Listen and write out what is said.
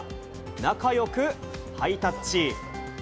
仲よくハイタッチ。